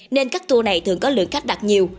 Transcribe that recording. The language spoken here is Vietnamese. nên các tour này thường có lượng khách đặt nhiều